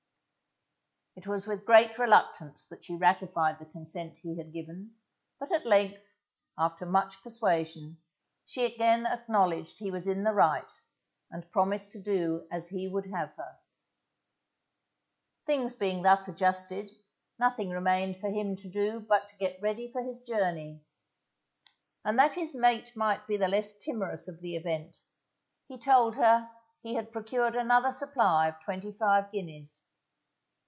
It was with great reluctance that she ratified the consent he had given, but at length, after much persuasion, she again acknowledged he was in the right, and promised to do as he would have her. Things being thus adjusted, nothing remained for him to do but to get ready for his journey, and that his mate might be the less timorous of the event, he told her he had procured another supply of twenty five guineas.